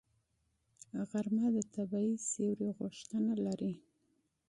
غرمه د طبیعي سیوري غوښتنه لري